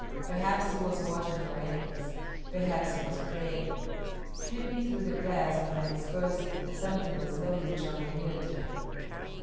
Perhaps he was watching for enemies; perhaps he was praying. Creeping through the grass behind this person, something was slowly drawing near to him.